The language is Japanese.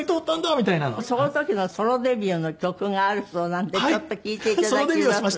その時のソロデビューの曲があるそうなんでちょっと聴いて頂きます。